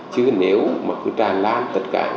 chứ nếu mà cứ tràn lan tất cả